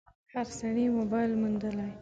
هر سړي موبایل موندلی